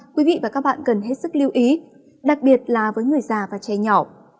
quý vị và các bạn cần hết sức lưu ý đặc biệt là với người già và trẻ nhỏ